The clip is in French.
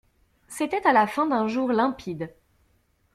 C'était à la fin d'un jour limpide.